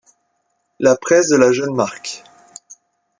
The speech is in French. La presse de la jeune marque.